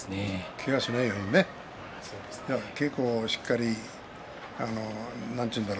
けがをしないように稽古しっかりなんて言うんだろう